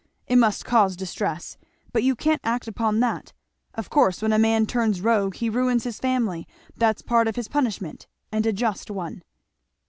it must cause distress, but you can't act upon that. Of course when a man turns rogue he ruins his family that's part of his punishment and a just one."